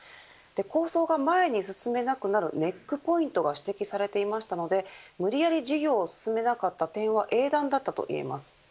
構想が前に進めなくなるネックポイントが指摘されていたので無理やり事業を進めなかった点は英断だったといえます。